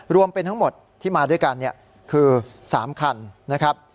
รวมเป็นทั้งหมดที่มาด้วยกันคือ๓คันนะครับ